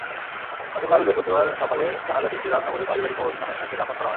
গতকাল বৃহস্পতিবার সকালে জানাজা শেষে রাজনগরের পারিবারিক কবরস্থানে তাঁকে দাফন করা হয়।